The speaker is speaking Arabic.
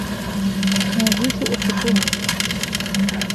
ما زلت أحبها